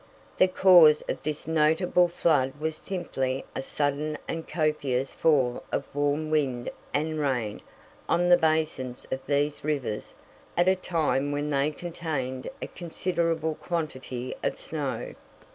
The cause of this notable flood was simply a sudden and copious fall of warm wind and rain on the basins of these rivers at a time when they contained a considerable quantity of snow.